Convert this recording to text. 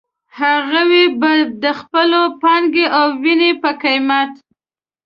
هغوی به د خپلې پانګې او وينې په قيمت.